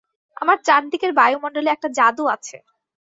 আমার চার দিকের বায়ুমণ্ডলে একটা জাদু আছে।